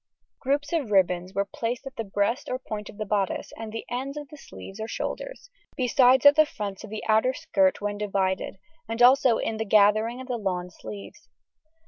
Groups of ribbons were placed at the breast or point of the bodice, and the ends of sleeves or shoulders, besides at the fronts of the outer skirt when divided, also in the gathering of the lawn sleeves.